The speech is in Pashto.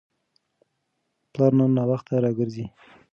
پلار نن ناوخته راګرځي.